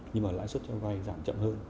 nhưng mà lãi suất cho vay giảm chậm hơn